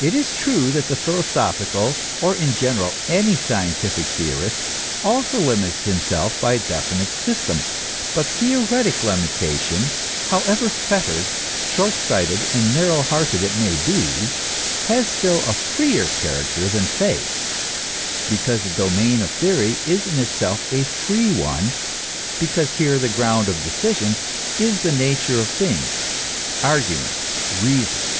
It is true that the philosophical, or, in general, any scientific theorist, also limits himself by a definite system. But theoretic limitation, however fettered, short sighted and narrow hearted it may be, has still a freer character than faith, because the domain of theory is in itself a free one, because here the ground of decision is the nature of things, argument, reason.